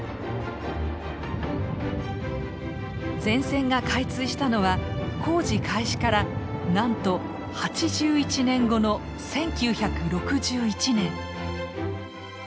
全線が開通したのは工事開始からなんと８１年後の１９６１年。